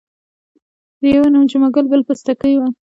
د یوه نوم جمعه ګل بل پستکی وو.